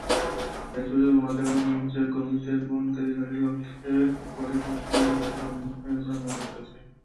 দিনাজপুরে গণজাগরণ মঞ্চের কর্মীদের বহনকারী গাড়ি লক্ষ্য করে ককটেল নিক্ষেপের ঘটনা ঘটেছে।